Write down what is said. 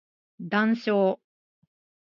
談笑